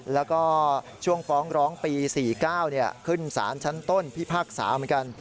แล้วก็ช่วงฟ้องร้องปี๔๙ขึ้นสารชั้นต้นพิพากษาเหมือนกัน